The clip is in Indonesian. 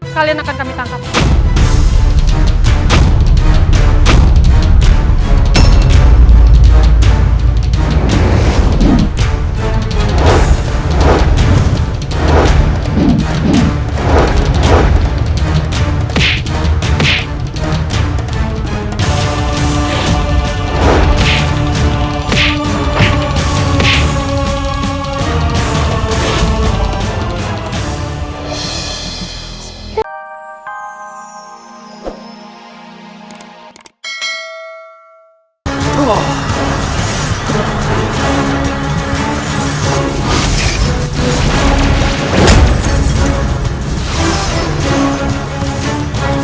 kali ini kita akan menangkap kalian